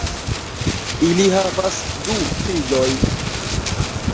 Ili havis du filojn.